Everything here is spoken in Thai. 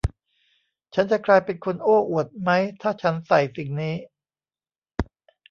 ฉันจะกลายเป็นคนโอ้อวดมั้ยถ้าฉันใส่สิ่งนี้